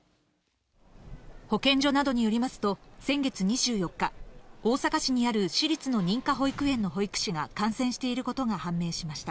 保健所などによりますと、先月２４日、大阪市にある私立の認可保育園の保育士が感染していることが判明しました。